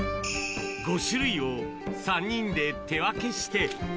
５種類を３人で手分けして。